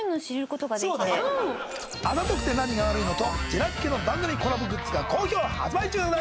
『あざとくて何が悪いの？』とジェラピケの番組コラボグッズが好評発売中でございます。